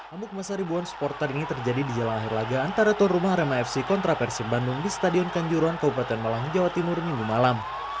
amuk masa ribuan supporter ini terjadi di jalan akhir laga antara tuan rumah arema fc kontra persib bandung di stadion kanjuruhan kabupaten malang jawa timur minggu malam